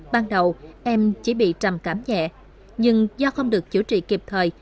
ban đầu em chỉ bị trầm cảm nhẹ nhưng do không được chữa trị kịp thời